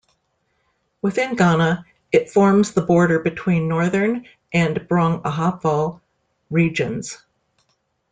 Within Ghana, it forms the border between Northern and Brong-Ahafo Regions.